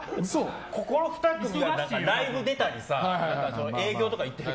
ここの２組は、ライブ出たりさ営業とか行ったり。